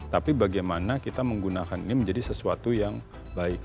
tapi bagaimana kita menggunakan ini menjadi sesuatu yang baik